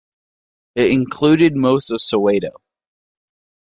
It included most of Soweto.